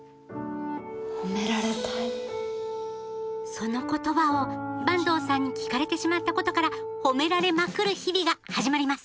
その言葉を坂東さんに聞かれてしまったことから「褒められまくる」日々が始まります！